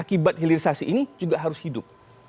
akibat hilirisasi ini juga harus hidup